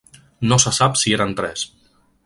No se sap si eren tres.